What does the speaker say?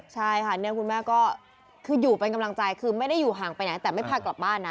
ใช่ค่ะเนี่ยคุณแม่ก็คืออยู่เป็นกำลังใจคือไม่ได้อยู่ห่างไปไหนแต่ไม่พากลับบ้านนะ